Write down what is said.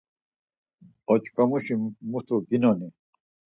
Oç̌ǩomuşi mutu ginoni?